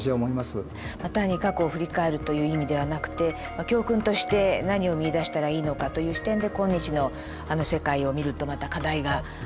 単に過去を振り返るという意味ではなくて教訓として何を見いだしたらいいのかという視点で今日の世界を見るとまた課題が改めて見えてくるということですね。